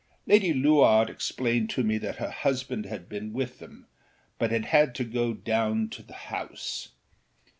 Lady Luard explained to me that her husband had been with them but had had to go down to the House.